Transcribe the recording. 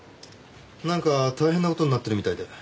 なんか大変な事になってるみたいで。